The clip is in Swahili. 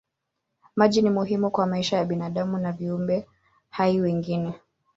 Maji ni muhimu kwa maisha ya binadamu na viumbe hai wengine.